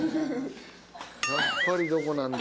やっぱりどこなんだ？